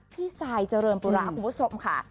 พี่สายเจริญปุราคมผู้ชมค่ะ